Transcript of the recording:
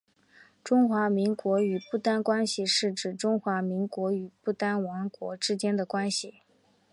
中华民国与不丹关系是指中华民国与不丹王国之间的关系。